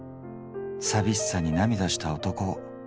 さびしさに涙した男を。